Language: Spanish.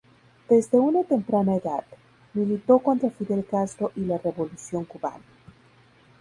Desde una temprana edad, militó contra Fidel Castro y la Revolución Cubana.